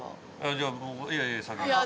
じゃあいやいや先に。